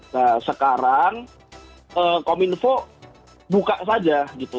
nah sekarang kominfo buka saja gitu